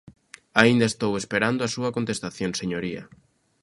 Aínda estou esperando a súa contestación, señoría.